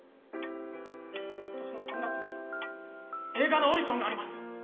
今年の３月に映画のオーディションがあります。